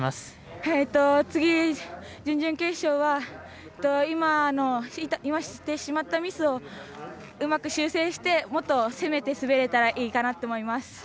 準々決勝は今してしまったミスをうまく修正してもっと攻めて滑れたらいいかなと思います。